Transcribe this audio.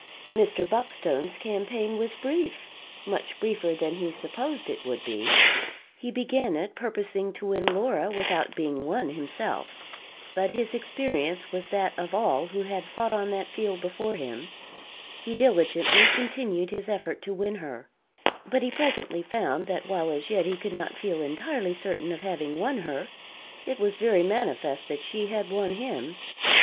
Mr. Buckstone's campaign was brief much briefer than he supposed it would be. He began it purposing to win Laura without being won himself; but his experience was that of all who had fought on that field before him; he diligently continued his effort to win her, but he presently found that while as yet he could not feel entirely certain of having won her, it was very manifest that she had won him.